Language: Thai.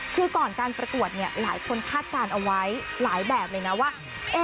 คือก่อนการประกวดเนี่ยหลายคนคาดการณ์เอาไว้หลายแบบเลยนะว่า